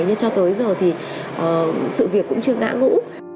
nhưng cho tới giờ thì sự việc cũng chưa ngã ngũ